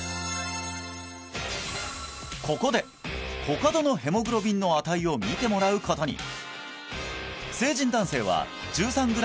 ここでコカドのヘモグロビンの値を見てもらうことに！